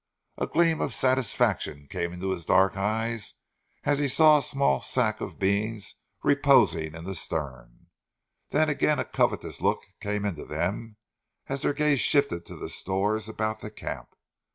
A gleam of satisfaction came into his dark eyes as he saw a small sack of beans reposing in the stern, then again a covetous look came into them as their gaze shifted to the stores about the camp.